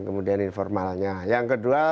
kemudian informalnya yang kedua